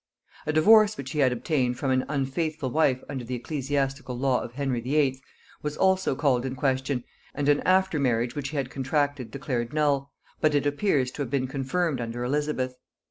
A divorce which he had obtained from an unfaithful wife under the ecclesiastical law of Henry VIII. was also called in question, and an after marriage which he had contracted declared null, but it appears to have been confirmed under Elizabeth.